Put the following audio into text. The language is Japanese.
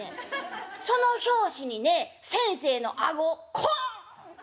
その拍子にね先生の顎コン！